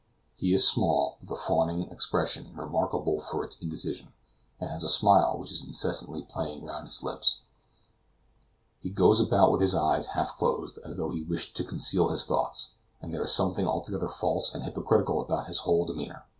He is small, with a fawning expression remarkable for its indecision, and has a smile which is incessantly playing round his lips; he goes about with his eyes half closed, as though he wished to conceal his thoughts, and there is something altogether false and hypocritical about his whole demeanor.